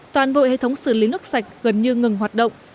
toàn bộ hệ thống xử lý nước sạch gần như ngừng hoạt động